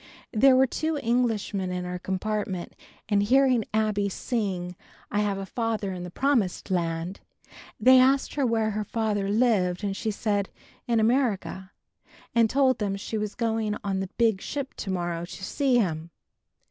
There were two Englishmen in our compartment and hearing Abbie sing "I have a Father in the Promised Land," they asked her where her Father lived and she said "In America," and told them she was going on the big ship to morrow to see him.